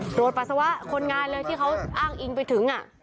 ตรวจปัสสาวะคนงานเลยที่เขาอ้างอิงไปถึง